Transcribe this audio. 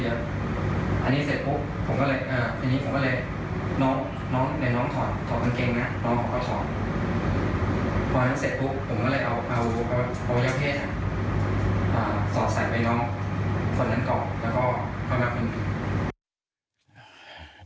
พออันนั้นเสร็จปุ๊บผมก็เลยเอายาวเพศสอดใส่ไว้น้องคนนั้นก่อนแล้วก็พร้อมกับคนนี้